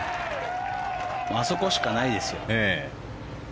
あそこしかないですよ。